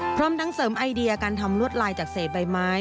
พร้อมทั้งเสริมไอเดียการทำลวดลายจากเศษใบไม้